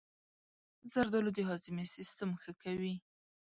زردآلو د هاضمې سیستم ښه کوي.